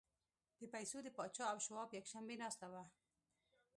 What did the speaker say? د پیسو د پاچا او شواب یکشنبې ناسته وشوه